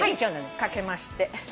かけまして。